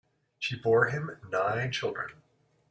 She bore him nine children.